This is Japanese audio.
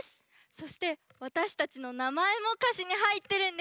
そしてわたしたちのなまえもかしにはいってるんです。